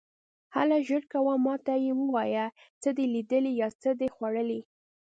هله ژر کوه، ما ته یې ووایه، څه دې لیدلي یا څه دې خوړلي.